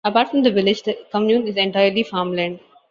Apart from the village the commune is entirely farmland.